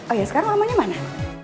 oh ya sekarang rumahnya mana